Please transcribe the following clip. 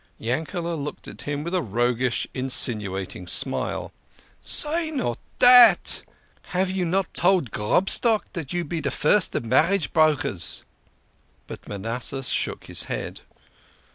Yankel6 looked at him with a roguish, insinuating smile. " Say not dat ! Have you not told Grobstock you be de first of marriage brokers ?" But Manasseh shook his head.